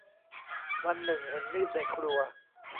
วันหนึ่งเห็นมีดในครัว